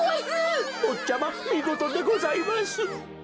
ぼっちゃまみごとでございます。